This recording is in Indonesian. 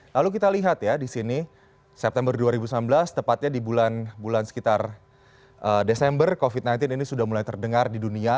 lalu kita lihat ya di sini september dua ribu sembilan belas tepatnya di bulan bulan sekitar desember covid sembilan belas ini sudah mulai terdengar di dunia